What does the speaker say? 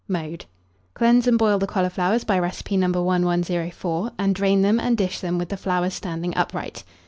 Mode. Cleanse and boil the cauliflowers by recipe No. 1104, and drain them and dish them with the flowers standing upright.